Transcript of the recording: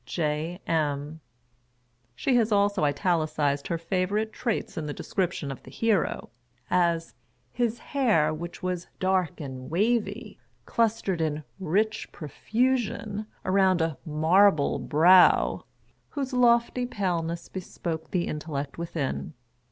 J. M." She has also italicised her favorite traits in the description of the hero, as "his hair, which was dark and wavy, clustered in rich profusion around a marble lirow whose lofty paleness bespoke the intellect within."